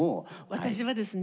私はですね